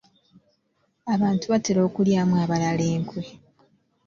Abantu batera okulyamu abalala enkwe.